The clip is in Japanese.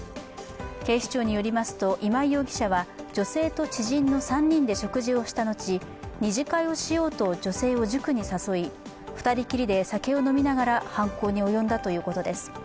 警視庁によりますと今井容疑者は女性と知人の３人で食事をした後、二次会をしようと女性を塾に誘い、２人きりで酒を飲みながら犯行に及んだということです。